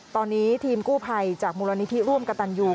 ตอนนี้ทีมกู้ภัยจากมูลนิธิร่วมกระตันยู